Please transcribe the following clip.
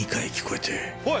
おい！